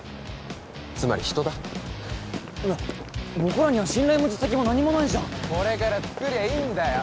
つまり人だ僕らには信頼も実績も何もないじゃんこれからつくりゃいいんだよ